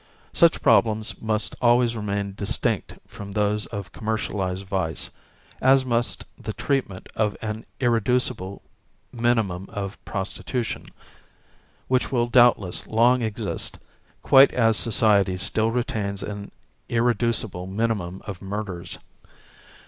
Such problems must always remain distinct from those of commercialized vice, as must the treatment of an irreducible minimum of prostitution, which will doubtless long exist, quite as society still retains an irreducible minimum of murders.